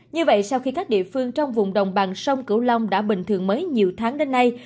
như vậy sau khi các địa phương trong vùng đồng bằng sông cửu long đã bình thường mới nhiều tháng đến nay